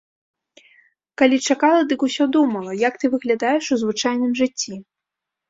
Калі чакала, дык усё думала, як ты выглядаеш у звычайным жыцці?